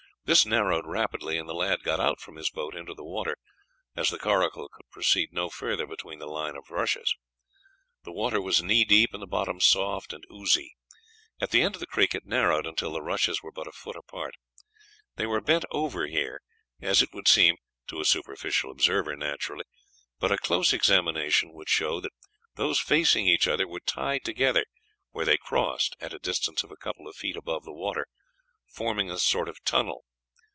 This narrowed rapidly and the lad got out from his boat into the water, as the coracle could proceed no further between the lines of rushes. The water was knee deep and the bottom soft and oozy. At the end of the creek it narrowed until the rushes were but a foot apart. They were bent over here, as it would seem to a superficial observer naturally; but a close examination would show that those facing each other were tied together where they crossed at a distance of a couple of feet above the water, forming a sort of tunnel.